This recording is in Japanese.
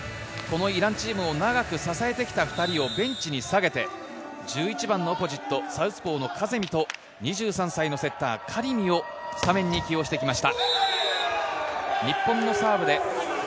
イランチームを長く支えてきた２人をベンチに下げて、１１番のオポジット、サウスポーのカゼミと２３歳のセッター、カリミをスタメンに起用してきました。